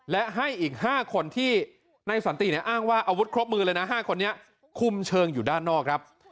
และให้อีก๕คนที่ในสันติเนี่ยอ้างว่าอาวุธครบมือเลยนะ๕คนนี้คุมเชิงอยู่ด้านนอกครับ